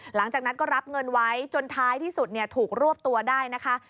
หลังจากนั้นก็รับเงินไว้จนท้ายที่สุดถูกรวบตัวได้นะคะ